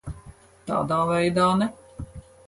Tādā veidā ne.